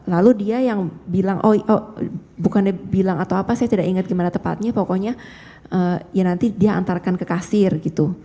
lalu dia yang bilang oh bukan dia bilang atau apa saya tidak ingat gimana tepatnya pokoknya ya nanti dia antarkan ke kasir gitu